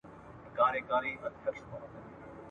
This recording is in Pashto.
نه یې ږغ سو د چا غوږ ته رسېدلای !.